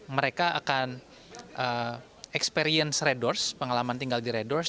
mereka akan experience red doors pengalaman tinggal di red doors